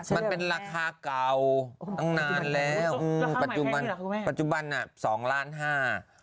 มันเป็นราคาเก่าตั้งนานแล้วปัจจุบัน๒ล้าน๕บาท